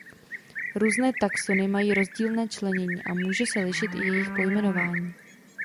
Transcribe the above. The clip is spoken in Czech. Různé taxony mají rozdílné členění a může se lišit i jejich pojmenování.